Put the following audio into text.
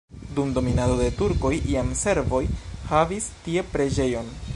Dum dominado de turkoj jam serboj havis tie preĝejon.